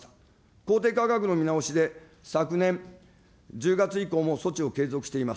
公的価格の見直しで、昨年１０月以降も措置を継続しています。